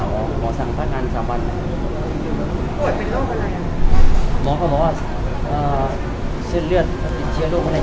แล้วส่งการถ่ายคือตั้งแต่โฟวิดระบาดเหลือการเหรอที่ทำให้รายได้อกลับลง